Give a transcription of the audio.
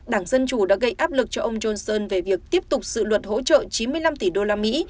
đảng dân chủ đã gây áp lực cho ông johnson về việc tiếp tục sự luật hỗ trợ chín mươi năm tỷ usd